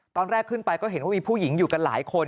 ตอนแรกขึ้นไปก็เห็นว่ามีผู้หญิงอยู่กันหลายคน